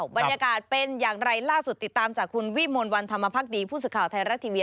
บรรยากาศเป็นอย่างไรล่าสุดติดตามจากคุณวิมวลวันธรรมพักดีผู้สื่อข่าวไทยรัฐทีวี